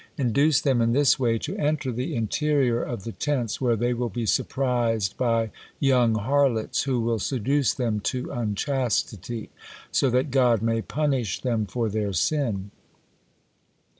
Induce them in this way to enter the interior of the tents where they will be surprised by young harlots, who will seduce them to unchastity, so that God may punish them for their sin."